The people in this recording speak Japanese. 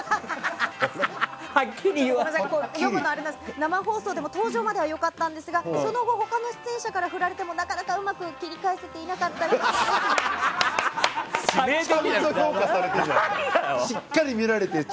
生放送でも登場まではよかったんですがその後、他の出演者から振られても、なかなかうまく切り返せていなかったと思います。